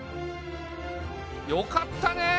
よかったねえ！